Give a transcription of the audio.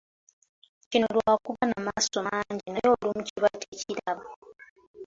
Kino lwa kuba na maaso mangi naye olumu kiba tekiraba.